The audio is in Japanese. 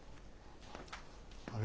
あれ？